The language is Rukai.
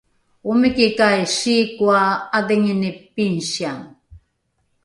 omikikai sikoa ’adhingini pingsiang?